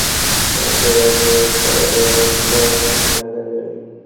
কোন শৈবালের দেহে পর্ব ও পর্বমধ্য দেখা যায়?